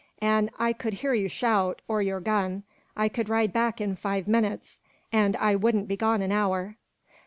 "An' I could hear you shout, or your gun. I could ride back in five minutes an' I wouldn't be gone an hour."